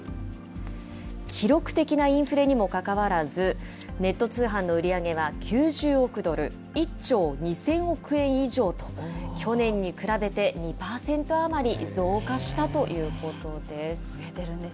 記録的なインフレにもかかわらず、ネット通販の売り上げは９０億ドル、１兆２０００億円以上と、去年に比べて２％余り増加したということです。